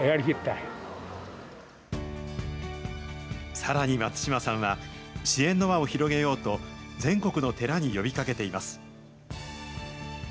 さらに松島さんは、支援の輪を広げようと、全国の寺に呼びかけています。